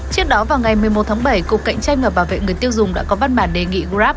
trước đó vào ngày một mươi một tháng bảy cục cạnh tranh và bảo vệ người tiêu dùng đã có văn bản đề nghị grab